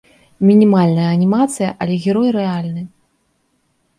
Мінімальная анімацыя, але герой рэальны.